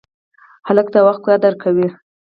هلک د وخت قدر کوي.